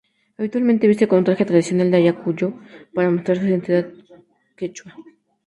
Habitualmente viste con un traje tradicional de Ayacucho para mostrar su identidad quechua.